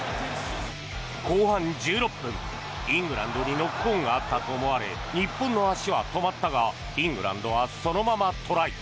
後半１６分、イングランドにノックオンがあったと思われ日本の足は止まったがイングランドはそのままトライ。